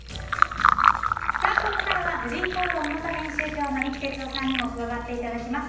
ここからは「婦人公論」元編集長の三木哲男さんにも加わっていただきます。